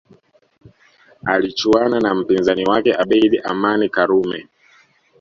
Akichuana na mpinzani wake Abeid Amani Karume